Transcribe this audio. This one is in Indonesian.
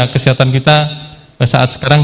kesehatan kita saat sekarang